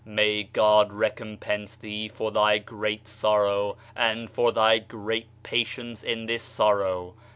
May God recompense thee for thy great sorrow, and for thy great pa tience in this sorrow!